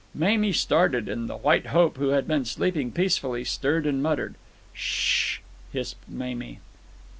Mamie started, and the White Hope, who had been sleeping peacefully, stirred and muttered. "S sh!" hissed Mamie.